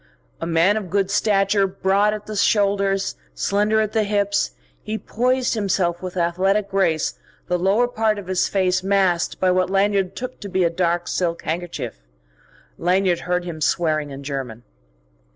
A man of good stature, broad at the shoulders, slender at the hips, he poised himself with athletic grace the lower part of his face masked by what Lanyard took to be a dark silk handkerchief. Lanyard heard him swearing in German.